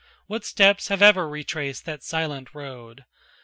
What steps have e'er retraced that silent road?